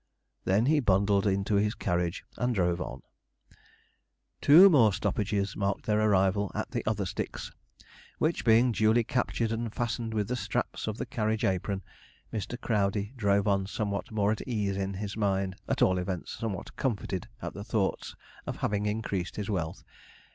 He then bundled into his carriage and drove on. Two more stoppages marked their arrival at the other sticks, which being duly captured and fastened within the straps of the carriage apron, Mr. Crowdey drove on somewhat more at ease in his mind, at all events somewhat comforted at the thoughts of having increased his wealth.